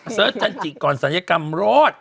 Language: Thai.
เสิร์ชทันจิก่อนศัลยกรรมรอด